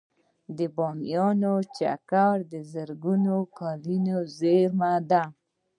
د بامیانو چک د زرګونه کلونو زیرمه ده